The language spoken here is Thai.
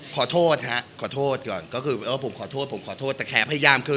ขอโทษฮะขอโทษก่อนก็คือว่าผมขอโทษผมขอโทษแต่แขกพยายามคือ